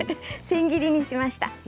千切りにしました。